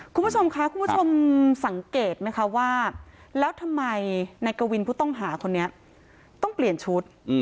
คุณผู้ชมค่ะคุณผู้ชมสังเกตไหมคะว่าแล้วทำไมนายกวินผู้ต้องหาคนนี้ต้องเปลี่ยนชุด